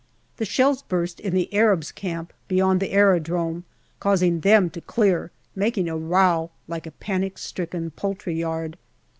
The shells burst in the Arabs' camp beyond the aerodrome, causing them to clear, making a row like a panic stricken poultry yard.